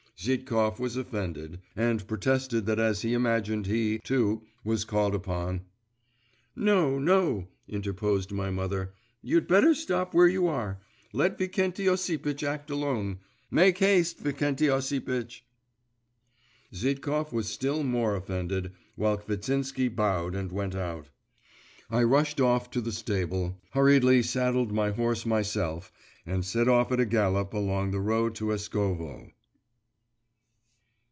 Zhitkov was offended, and protested that as he imagined he, too, was called upon.… 'No, no!' interposed my mother; 'you'd better stop where you are.… Let Vikenty Osipitch act alone.… Make haste, Vikenty Osipitch!' Zhitkov was still more offended, while Kvitsinsky bowed and went out. I rushed off to the stable, hurriedly saddled my horse myself, and set off at a gallop along the road to Eskovo.